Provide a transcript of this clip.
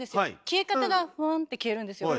消え方がフワンって消えるんですよ。